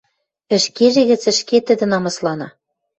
Ӹшкежӹ гӹц ӹшке тӹдӹ намыслана.